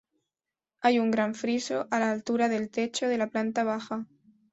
Hay un gran friso a la altura del techo de la planta baja.